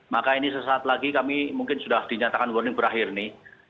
maka ini sesaat lagi kami mungkin sudah dinyatakan warning berakhir nih